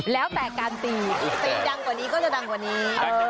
แล้วแต่การตีตีดังกว่านี้ก็จะดังกว่านี้